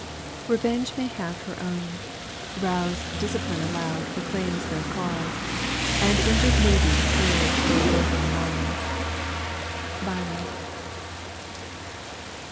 "Revenge may have her own; Roused discipline aloud proclaims their cause, And injured navies urge their broken laws." BYRON.